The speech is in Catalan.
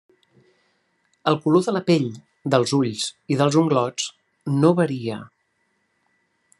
El color de la pell, dels ulls i dels unglots no varia.